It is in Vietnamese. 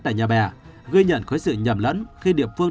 tại nhà bè ghi nhận có sự nhầm lẫn khi địa phương